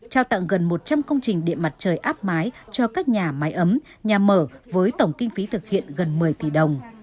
trao tặng gần một trăm linh công trình điện mặt trời áp mái cho các nhà máy ấm nhà mở với tổng kinh phí thực hiện gần một mươi tỷ đồng